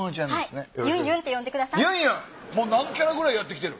もう何キャラくらいやってきてる？